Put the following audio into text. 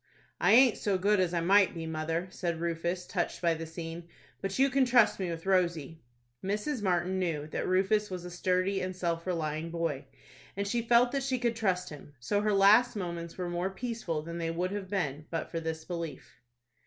"I aint so good as I might be, mother," said Rufus, touched by the scene; "but you can trust me with Rosie." Mrs. Martin knew that Rufus was a sturdy and self relying boy, and she felt that she could trust him. So her last moments were more peaceful than they would have been but for this belief.